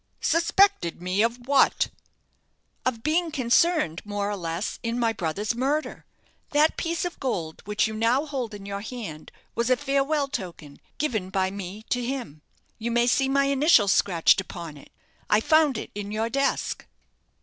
"Suspected me of what?" "Of being concerned, more or less, in my brother's murder. That piece of gold which you now hold in your hand was a farewell token, given by me to him; you may see my initials scratched upon it. I found it in your desk."